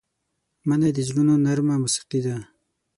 مني د زړونو نرمه موسيقي ده